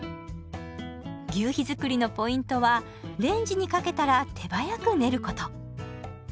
求肥づくりのポイントはレンジにかけたら手早く練ること。